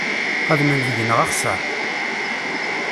Xedmen deg-neɣ axessar.